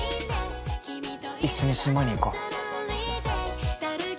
一緒に島に行こう。